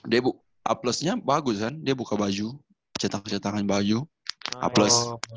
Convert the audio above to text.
dia a plus nya bagus kan dia buka baju cetak cetakan baju a plus